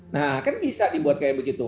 nah kan bisa dibuat kayak begitu